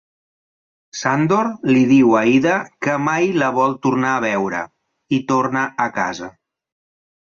Sandor li diu a Ida que mai la vol tornar a veure, i torna a casa.